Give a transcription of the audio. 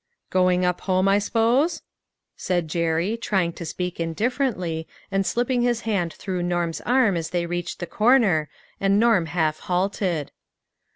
" Going up home, I s'pose ?" said Jerry, try ing to speak indifferently, and slipping his hand through Norm's arm as they reached the corner, and Norm half halted.